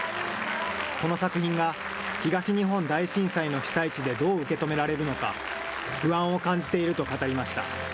この作品が東日本大震災の被災地でどう受け止められるのか、不安を感じていると語りました。